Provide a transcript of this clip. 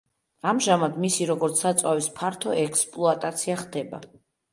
ამჟამად მისი, როგორც საწვავის ფართო ექსპლუატაცია ხდება.